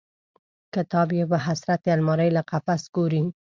کتاب یې په حسرت د المارۍ له قفس ګوري